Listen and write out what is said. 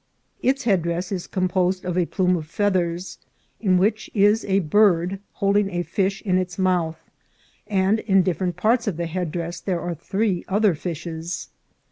Its headdress is composed of a plume of feathers, in which is a bird holding a fish in its mouth; and in different parts of the headdress there are three other fishes.